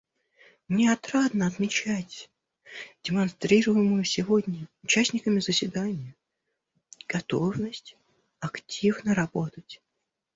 Мне отрадно отмечать демонстрируемую сегодня участниками заседания готовность активно работать.